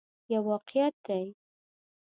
یو واقعیت دی.